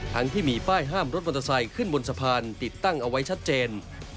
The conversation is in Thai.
ที่มีป้ายห้ามรถมอเตอร์ไซค์ขึ้นบนสะพานติดตั้งเอาไว้ชัดเจน